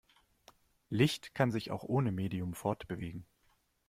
Licht kann sich auch ohne Medium fortbewegen.